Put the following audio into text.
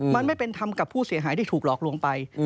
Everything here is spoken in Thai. มันไม่เป็นธรรมกับผู้เสียหายที่ถูกหลอกลวงไป